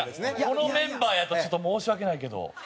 このメンバーやとちょっと申し訳ないけど。